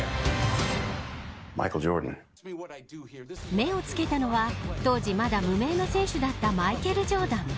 目をつけたのは当時、まだ無名の選手だったマイケル・ジョーダン。